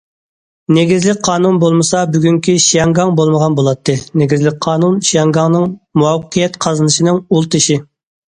نېگىزلىك قانۇن بولمىسا بۈگۈنكى شياڭگاڭ بولمىغان بولاتتى، نېگىزلىك قانۇن شياڭگاڭنىڭ مۇۋەپپەقىيەت قازىنىشىنىڭ ئۇل تېشى.